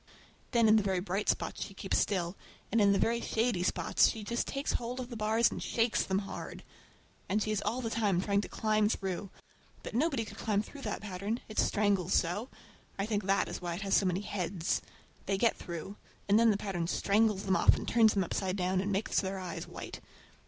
Then in the very bright spots she keeps still, and in the very shady spots she just takes hold of the bars and shakes them hard. And she is all the time trying to climb through. But nobody could climb through that pattern—it strangles so; I think that is why it has so many heads. They get through, and then the pattern strangles them off and turns them upside down, and makes their eyes white!